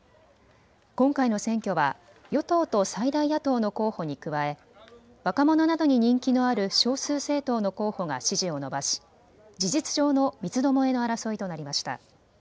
今回の選挙は与党と最大野党の候補に加え若者などに人気のある少数政党の候補が支持を伸ばし、事実上の三つどもえの争いとなりました。